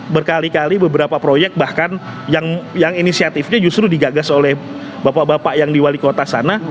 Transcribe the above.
berkali kali beberapa proyek bahkan yang inisiatifnya justru digagas oleh bapak bapak yang di wali kota sana